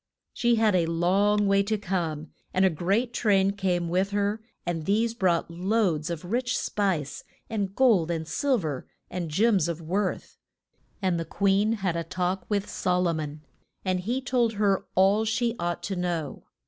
She had a long way to come, and a great train came with her, and these brought loads of rich spice, and gold and sil ver and gems of worth. And the queen had a talk with Sol o mon and he told her all she ought to know.